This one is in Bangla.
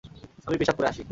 আমি পেশাব করে আসি।